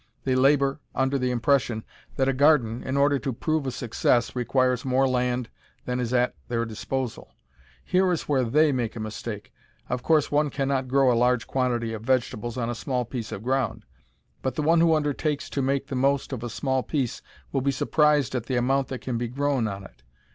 They labor under the impression that a garden, in order to prove a success, requires more land than is at their disposal. Here is where they make a mistake. Of course one cannot grow a large quantity of vegetables on a small piece of ground, but the one who undertakes to make the most of a small piece will be surprised at the amount that can be grown on it.